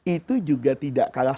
itu juga tidak kalah